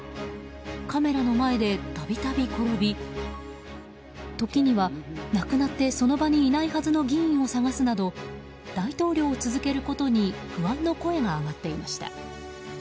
カメラの前で度々転び時には亡くなって、その場にいないはずの議員を探すなど大統領を続けることに不安の声が上がっていました。